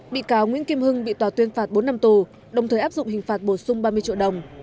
bị cáo nguyễn kim hưng bị tòa tuyên phạt bốn năm tù đồng thời áp dụng hình phạt bổ sung ba mươi triệu đồng